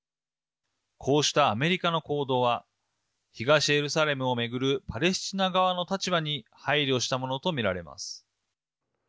こうしたアメリカの行動は東エルサレムを巡るパレスチナ側の立場に配慮したものと見られます。